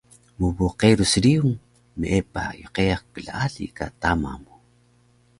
Mbqerus riyung meepah yqeyaq klaali ka tama mu